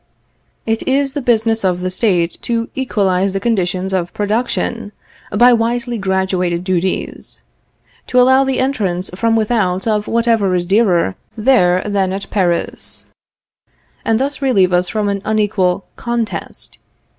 It is the business of the State to equalize the conditions of production by wisely graduated duties; to allow the entrance from without of whatever is dearer there than at Paris, and thus relieve us from an unequal contest.